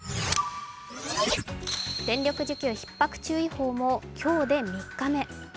電力需給ひっ迫注意報も今日で３日目。